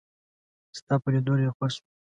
ستا په لیدو ډېر خوښ شوم